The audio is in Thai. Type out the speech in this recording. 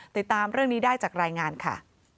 ติดตามเรื่องนี้ได้จากรายงานค่ะ